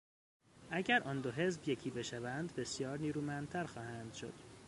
اگر آن دو حزب یکی بشوند بسیار نیرومندتر خواهند شد.